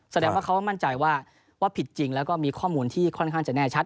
แสดงว่าเขาก็มั่นใจว่าผิดจริงแล้วก็มีข้อมูลที่ค่อนข้างจะแน่ชัด